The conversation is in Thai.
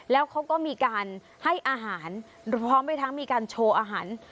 แล้วเขาก็มีการให้อาหารพร้อมไปทั้งมีการโชว์อาหาร